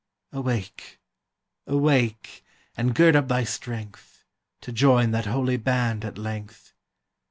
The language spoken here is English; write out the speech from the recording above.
Awake, awake! and gird up thy strength, To join that holy band at length!